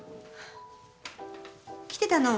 来てたの。